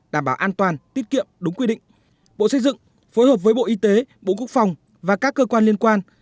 đảm bảo an toàn tiết kiệm đúng quy định bộ xây dựng phối hợp với bộ y tế bộ quốc phòng và các cơ quan liên quan